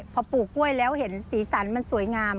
พอปลูกกล้วยแล้วเห็นสีสันมันสวยงาม